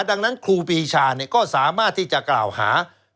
ดังนั้นครูปีชาก็สามารถที่จะกล่าวหา